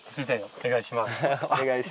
お願いします。